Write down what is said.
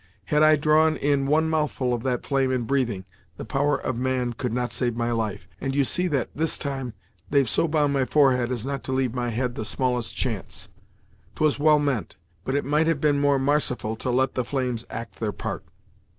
Had I drawn in one mouthful of that flame in breathing, the power of man could not save my life, and you see that, this time, they've so bound my forehead, as not to leave my head the smallest chance. 'Twas well meant, but it might have been more marciful to let the flames act their part."